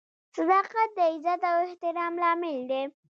• صداقت د عزت او احترام لامل دی.